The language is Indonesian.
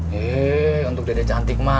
hei untuk dede cantik mah